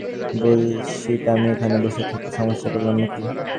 Bullshit আমি এখানে বসে থেকে সমস্যা করলাম নাকি?